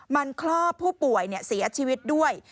มันคลอบผู้ป่วยเสียชีวิตด้วย